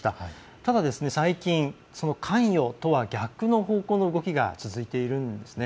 ただ、最近、関与とは逆の方向の動きが続いているんですね。